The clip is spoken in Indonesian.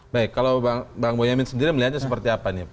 baik kalau bang boyamin sendiri melihatnya seperti apa nih